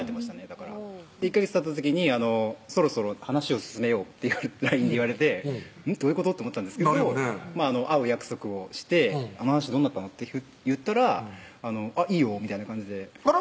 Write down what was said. だから１ヵ月たった時に「そろそろ話を進めよう」ってＬＩＮＥで言われてどういうこと？と思ったんですが会う約束をして「あの話どうなったの？」って言ったら「あっいいよ」みたいな感じであら？